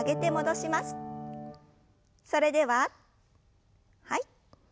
それでははい。